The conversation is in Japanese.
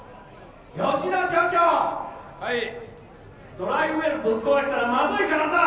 「ドライウェルぶっ壊したらまずいからさ！